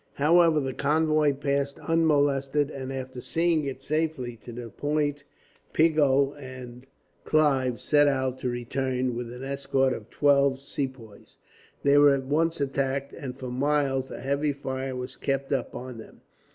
"However, the convoy passed unmolested, and after seeing it safely to that point, Pigot and Clive set out to return, with an escort of twelve Sepoys. They were at once attacked, and for miles a heavy fire was kept up on them.